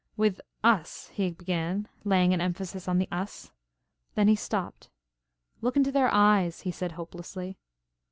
"With us," he began, laying an emphasis on the "us." Then he stopped. "Look into their eyes," he said hopelessly.